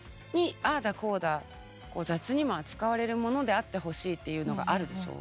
雑にも扱われるものであってほしいっていうのがあるでしょう？